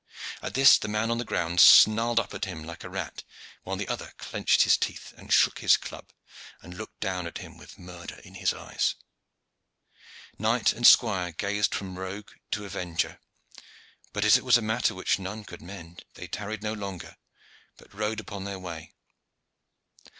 At this the man on the ground snarled up at him like a rat, while the other clenched his teeth, and shook his club, and looked down at him with murder in his eyes. Knight and squire gazed from rogue to avenger, but as it was a matter which none could mend they tarried no longer, but rode upon their way.